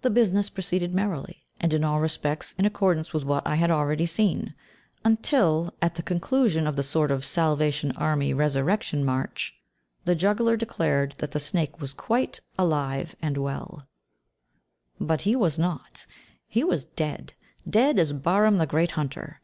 The business proceeded merrily, and in all respects in accordance with what I had already seen, until, at the conclusion of the sort of Salvation Army resurrection march, the juggler declared that the snake was quite alive and well but he was not, he was dead, dead as Bahram the Great Hunter.